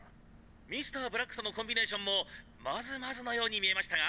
「Ｍｒ．ブラックとのコンビネーションもまずまずのように見えましたが？」